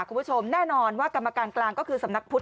คุณผู้ชมแน่นอนว่ากรรมการกลางก็คือสำนักพุทธ